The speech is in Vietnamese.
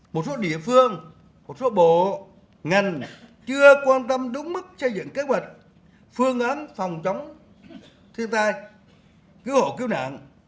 một số địa phương một số bộ ngành chưa quan tâm đúng mức xây dựng kế hoạch phương án phòng chống thiên tai cứu hộ cứu nạn